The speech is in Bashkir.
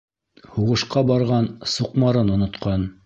Һуғышҡа барған суҡмарын онотҡан.